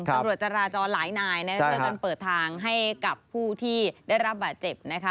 ตำรวจจราจรหลายนายเปิดทางให้กับผู้ที่ได้รับบาดเจ็บ